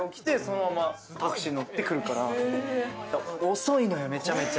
遅いのよ、めちゃめちゃ。